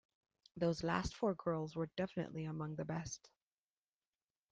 Those last four girls were definitely among the best.